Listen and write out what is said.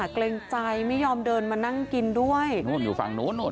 เกรงใจไม่ยอมเดินมานั่งกินด้วยอยู่ฝั่งโน้ต